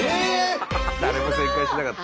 誰も正解しなかった。